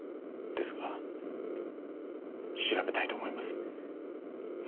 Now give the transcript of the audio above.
ですが調べたいと思います。